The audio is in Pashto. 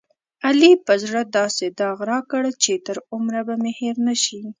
علي په زړه داسې داغ راکړ، چې تر عمره به مې هېر نشي.